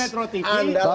saya melihat di metro tv